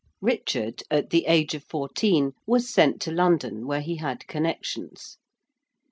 Richard, at the age of fourteen, was sent to London, where he had connections.